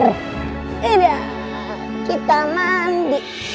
udah kita mandi